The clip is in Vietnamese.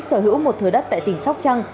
sở hữu một thừa đất tại tỉnh sóc trăng